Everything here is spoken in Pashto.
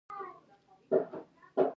او د عقل په مرسته يې قوي دښمن مات کړى و.